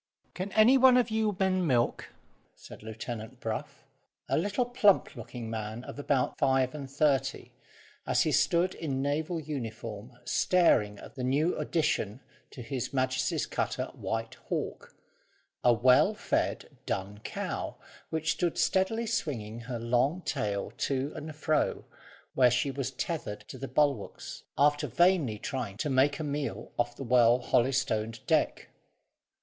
"Can any one of you men milk?" said Lieutenant Brough, a little plump looking man, of about five and thirty, as he stood in naval uniform staring at the new addition to His Majesty's cutter White Hawk, a well fed dun cow, which stood steadily swinging her long tail to and fro, where she was tethered to the bulwarks, after vainly trying to make a meal off the well holystoned deck.